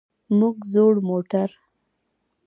موږ زوړ موټر.